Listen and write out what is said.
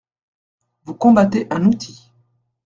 Vous combattez un outil.